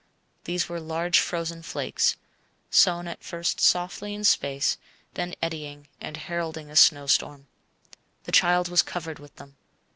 These were large frozen flakes, sown at first softly in space, then eddying, and heralding a snowstorm. The child was covered with them.